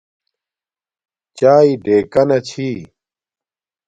چاݵے ڑیکانا چھی